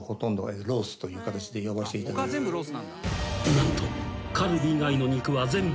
［何と］